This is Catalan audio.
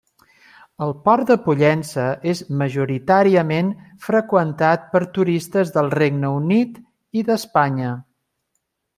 El Port de Pollença és majoritàriament freqüentat per turistes del Regne Unit i d'Espanya.